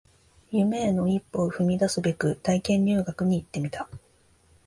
夢への一歩を踏み出すべく体験入学に行ってみた